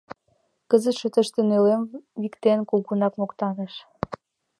Кызытше тыште, нӧлым виктен, кугунак моктаныш: